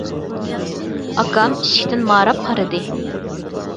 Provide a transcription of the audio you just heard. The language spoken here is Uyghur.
ئاكام ئىشىكتىن ماراپ قارىدى.